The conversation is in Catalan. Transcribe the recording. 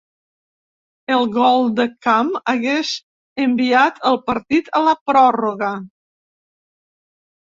El gol de camp hagués enviat el partit a la pròrroga.